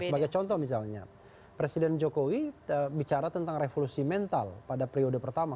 sebagai contoh misalnya presiden jokowi bicara tentang revolusi mental pada periode pertama